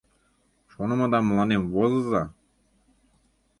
Шонымыдам мыланем возыза.